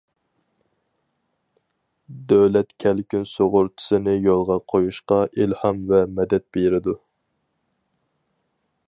دۆلەت كەلكۈن سۇغۇرتىسىنى يولغا قويۇشقا ئىلھام ۋە مەدەت بېرىدۇ.